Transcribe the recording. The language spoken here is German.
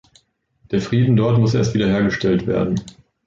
Der Frieden dort muss erst wiederhergestellt werden.